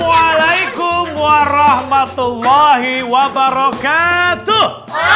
waalaikumsalam warahmatullahi wabarakatuh